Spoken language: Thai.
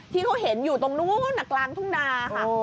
ที่เขาเห็นอยู่ตรงนู้นกลางทุ่งนาค่ะ